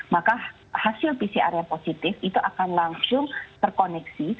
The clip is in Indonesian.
maka hasil pcr yang positif itu akan langsung terkoneksi